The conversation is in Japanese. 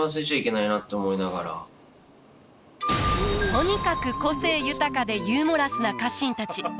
とにかく個性豊かでユーモラスな家臣たち。